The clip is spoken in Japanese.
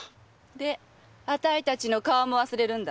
であたいたちの顔も忘れるんだ。